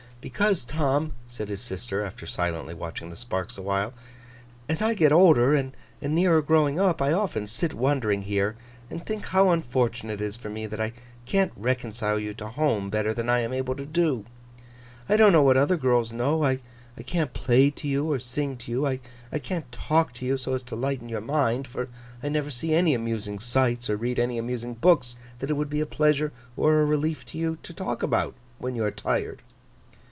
'Because, Tom,' said his sister, after silently watching the sparks awhile, 'as I get older, and nearer growing up, I often sit wondering here, and think how unfortunate it is for me that I can't reconcile you to home better than I am able to do. I don't know what other girls know. I can't play to you, or sing to you. I can't talk to you so as to lighten your mind, for I never see any amusing sights or read any amusing books that it would be a pleasure or a relief to you to talk about, when you are tired.